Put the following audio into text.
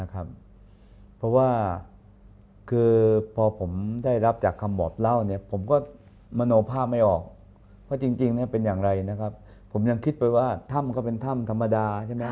เพราะว่าคือพอผมได้รับจากคำบอกเล่าเนี่ยผมก็มโนภาพไม่ออกว่าจริงเป็นอย่างไรนะครับผมยังคิดไปว่าถ้ำก็เป็นถ้ำธรรมดาใช่ไหม